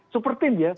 super team ya